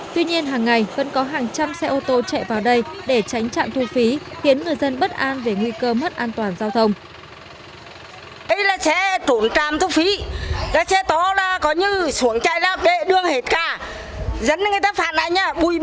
tuy nhiên hàng ngày vẫn có hàng trăm xe ô tô chạy vào đây để tránh trạm thu phí